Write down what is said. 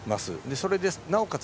それで、なおかつ